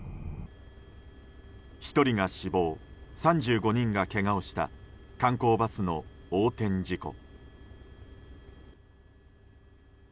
１人が死亡３５人がけがをした観光バスの横転事故。